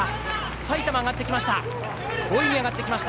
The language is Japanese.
埼玉、５位に上がってきました。